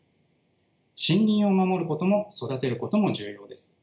森林を守ることも育てることも重要です。